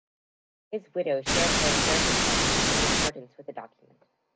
His widow shared her inherited property in accordance with the document.